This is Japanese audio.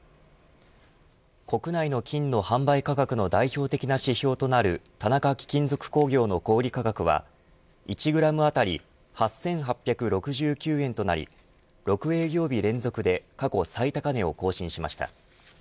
国内の金の販売価格の代表的な指標となる田中貴金属工業の小売価格は１グラム当たり８８６９円となり６営業日連続で過去最高値を更新しました。